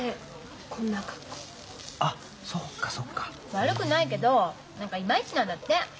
悪くないけど何かいまいちなんだって。